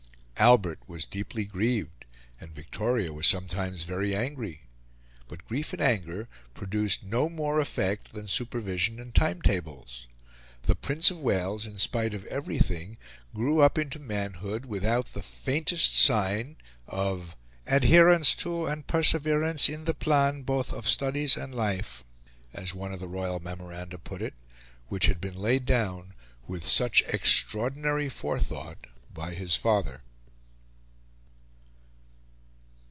Albert was deeply grieved and Victoria was sometimes very angry; but grief and anger produced no more effect than supervision and time tables. The Prince of Wales, in spite of everything, grew up into manhood without the faintest sign of "adherence to and perseverance in the plan both of studies and life " as one of the Royal memoranda put it which had been laid down with such extraordinary forethought by his father.